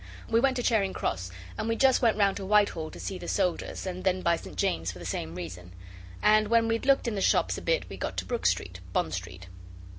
We went to Charing Cross, and we just went round to Whitehall to see the soldiers and then by St James's for the same reason and when we'd looked in the shops a bit we got to Brook Street, Bond Street.